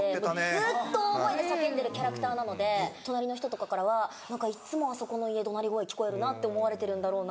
ずっと大声で叫んでるキャラクターなので隣の人とかからは「何かいっつもあそこの家怒鳴り声聞こえるな」って思われてるんだろうな。